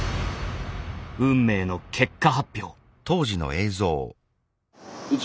運命の結果発表。